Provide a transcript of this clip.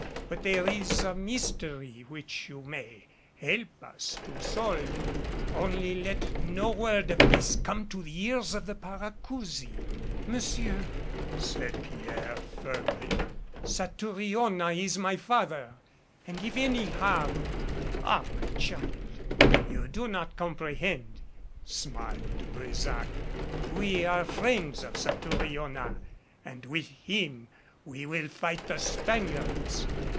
But there is a mystery which you may help us to solve only let no word of this come to the ears of the Paracousi." "Monsieur," said Pierre firmly, "Satouriona is my father and if any harm " "Ah, my child, you do not comprehend," smiled De Brésac. "We are friends of Satouriona and with him we will fight the Spaniards.